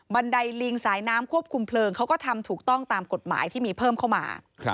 ไดลิงสายน้ำควบคุมเพลิงเขาก็ทำถูกต้องตามกฎหมายที่มีเพิ่มเข้ามา